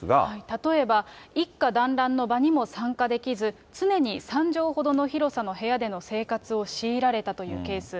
例えば一家だんらんの場にも参加できず、常に３畳ほどの広さの部屋での生活を強いられたというケース。